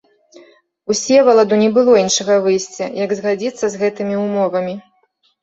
Усеваладу не было іншага выйсця, як згадзіцца з гэтымі ўмовамі.